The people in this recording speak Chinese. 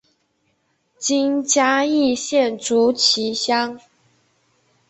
今嘉义县竹崎乡。